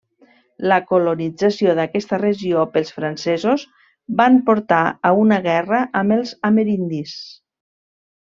La colonització d'aquesta regió pels francesos van portar a una guerra amb els amerindis.